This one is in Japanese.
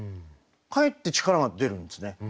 かえって力が出るんですね。